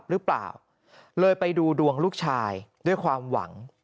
หรือเปล่าเลยไปดูดวงลูกชายด้วยความหวัง